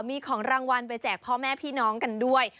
มีของรางวัลไปแจกพ่อแม่พี่น้องกันด้วย